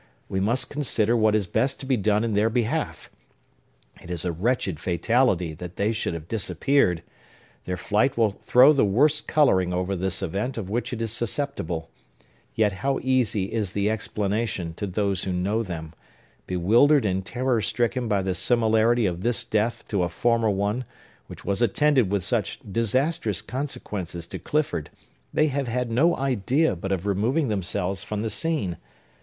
We must consider what is best to be done in their behalf. It is a wretched fatality that they should have disappeared! Their flight will throw the worst coloring over this event of which it is susceptible. Yet how easy is the explanation, to those who know them! Bewildered and terror stricken by the similarity of this death to a former one, which was attended with such disastrous consequences to Clifford, they have had no idea but of removing themselves from the scene.